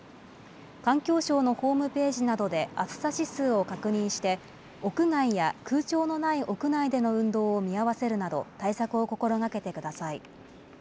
環境省のホームページなどで暑さ指数を確認して、屋外や空調のない屋内での運動を見合わせるなど、対策を心がけてください。